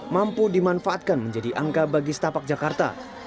mampu dimanfaatkan menjadi angka bagi setapak jakarta